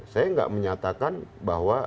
saya nggak menyatakan bahwa